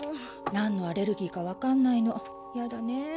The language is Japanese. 何のアレルギーかわかんないのやだねえ。